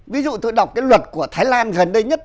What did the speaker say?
ví dụ tôi đọc cái luật của thái lan gần đây nhất